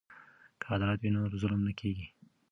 که عدالت وي نو ظلم نه کیږي.